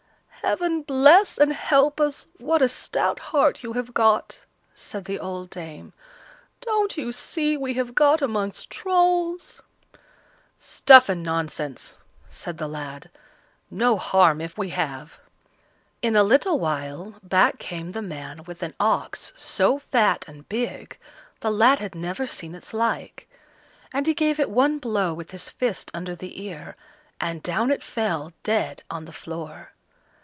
"Heaven bless and help us! what a stout heart you have got!" said the old dame. "Don't you see we have got amongst Trolls?" "Stuff and nonsense!" said the lad; "no harm if we have." In a little while, back came the man with an ox so fat and big, the lad had never seen its like, and he gave it one blow with his fist under the ear, and down it fell dead on the floor.